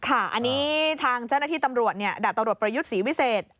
อันนี้ทางเจ้าหน้าที่ตำรวจดาบตำรวจประยุทธ์ศรีวิเศษ